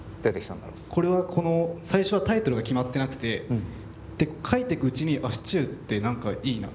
これはこの最初はタイトルが決まってなくて書いていくうちにあっシチューって何かいいな。